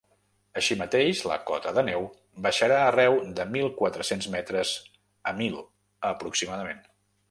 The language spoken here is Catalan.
Així mateix la cota de neu baixarà arreu de mil quatre-cents metres a mil, aproximadament.